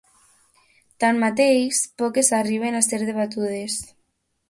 Tanmateix, poques arriben a ser debatudes.